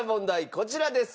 こちらです。